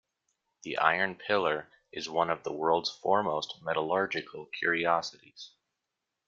The iron pillar is one of the world's foremost metallurgical curiosities.